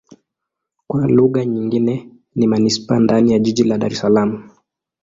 Kwa lugha nyingine ni manisipaa ndani ya jiji la Dar Es Salaam.